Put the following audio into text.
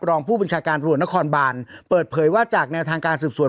รองผู้บัญชาการตำรวจนครบานเปิดเผยว่าจากแนวทางการสืบสวน